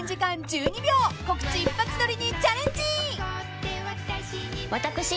［告知一発撮りにチャレンジ］